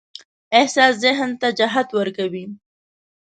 احساس ذهن ته جهت ورکوي.